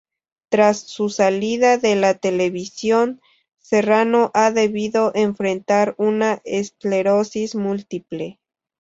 Tras su salida de la televisión, Serrano ha debido enfrentar una esclerosis múltiple.